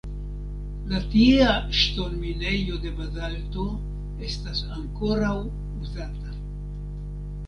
La tiea ŝtonminejo de bazalto estas ankoraŭ uzata.